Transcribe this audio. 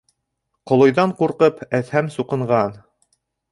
Ҡолойҙан ҡурҡып, Әҙһәм суҡынған.